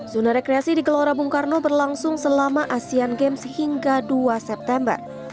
zona rekreasi di gelora bung karno berlangsung selama asian games hingga dua september